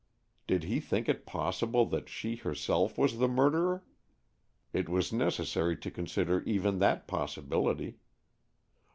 Did he think it possible that she herself was the murderer? It was necessary to consider even that possibility.